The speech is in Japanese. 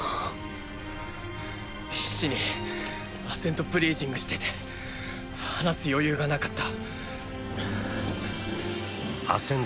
必死にアセントブリージングしてて話す余裕が無かった。